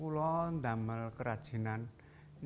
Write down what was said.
saya mencari kerajinan